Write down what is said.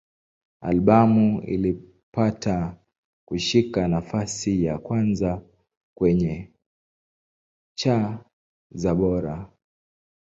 Albamu ilipata kushika nafasi ya kwanza kwenye cha za Bora.